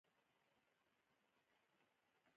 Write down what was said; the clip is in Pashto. د بیان ازادي مهمه ده ځکه چې جنګونه کموي.